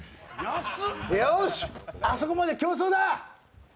よーし、あそこまで競走だ！